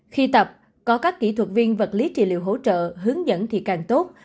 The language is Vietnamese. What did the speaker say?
khi tập có các kỹ thuật viên vật lý trị liệu hỗ trợ hướng dẫn thì càng tốt